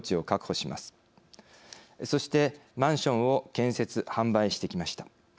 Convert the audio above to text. そしてマンションを建設・販売してきました。